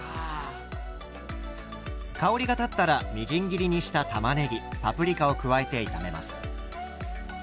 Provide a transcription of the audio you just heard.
香りが立ったらみじん切りにしたたまねぎパプリカを加えて炒めます。